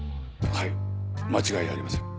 はい間違いありません。